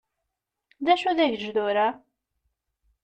D acu dagejdur-a?